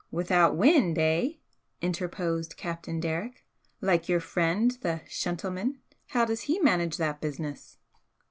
"Without wind, eh?" interposed Captain Derrick "Like your friend the 'shentleman'? How does he manage that business?"